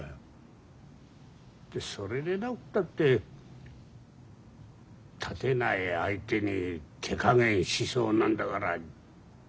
それでなくったって立てない相手に手加減しそうなんだから。